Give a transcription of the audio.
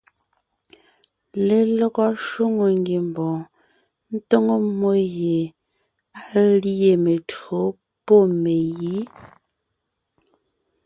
Lelɔgɔ shwòŋo ngiembɔɔn tóŋo mmó gie á lîe mentÿǒ pɔ́ megǐ.